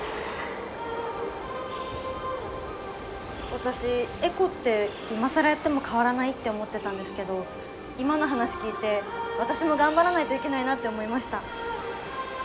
私エコって今更やっても変わらないって思ってたんですけど今の話聞いて私も頑張らないといけないなって思いました。